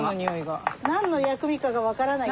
何の薬味かが分からない。